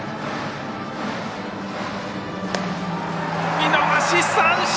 見逃し三振！